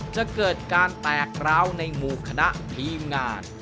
จะเกิดการแตกร้าวในหมู่คณะทีมงาน